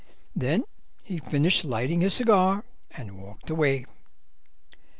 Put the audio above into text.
Then he finished lighting his cigar and walked away.